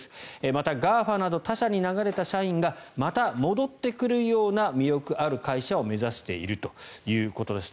また、ＧＡＦＡなど他社に流れた社員がまた戻ってくるような魅力ある会社を目指しているということです。